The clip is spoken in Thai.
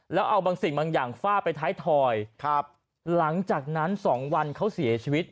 แล้วเอาบางสิ่งบางอย่างฟาดไปท้ายถอยครับหลังจากนั้นสองวันเขาเสียชีวิต